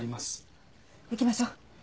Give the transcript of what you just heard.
行きましょう。